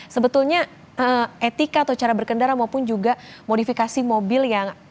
sebetulnya etika atau cara berkendara maupun juga modifikasi mobil yang